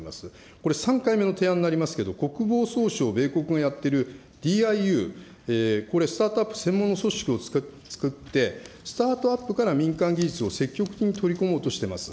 これ、３回目の提案になりますけれども、国防総省、米国がやってるＤＩＵ、これ、スタートアップ専門の組織をつくって、スタートアップから民間技術を積極的に取り込もうとしています。